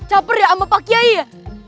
caper ya sama pak kiai